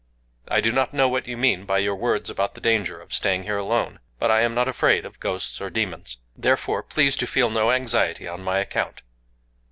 I do not know what you mean by your words about the danger of staying here alone; but I am not afraid of ghosts or demons: therefore please to feel no anxiety on my account."